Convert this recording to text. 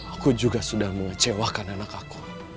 aku juga sudah mengecewakan anak aku